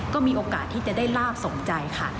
ก็มีโอกาสที่จะได้ลาบสมใจค่ะ